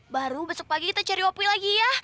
baru besok pagi kita cari kopi lagi ya